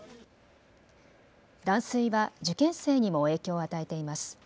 断水は受験生にも影響を与えています。